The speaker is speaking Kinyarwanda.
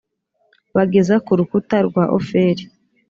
bageza ku rukuta rwa ofeli